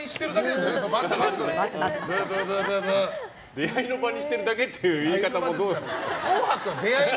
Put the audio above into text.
出会いの場にしてるだけって言い方もどうなんですか。